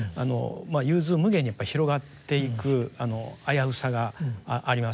融通無碍にやっぱり広がっていく危うさがありますよね。